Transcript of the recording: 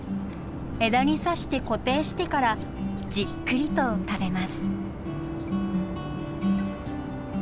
枝に刺して固定してからじっくりと食べます。